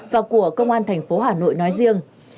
và của công an thành phố hà nội nói riêng